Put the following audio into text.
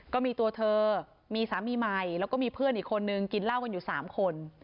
ก็มีตัวเธอมีสามีใหม่แล้วก็มีเพื่อนอีกคนนึงกินเหล้ากันอยู่๓คน